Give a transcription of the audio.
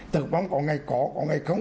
tử vong có ngày có có ngày không